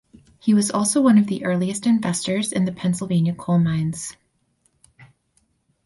He was also one of the earliest investors in the Pennsylvania coal mines.